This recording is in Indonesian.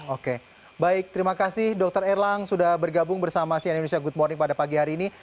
oke baik terima kasih dokter erlang sudah bergabung bersama sian indonesia good morning pada pagi hari ini